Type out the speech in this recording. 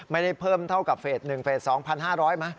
ไม่ได้เพิ่มเท่ากับเฟส๑เฟส๒พันห้าร้อย